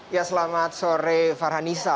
ya selamat sore farhanisa